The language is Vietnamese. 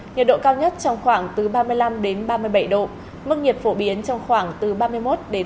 nhiệt độ cao nhất trong khoảng từ ba mươi năm ba mươi bảy độ mức nhiệt phổ biến trong khoảng từ ba mươi một ba mươi bốn độ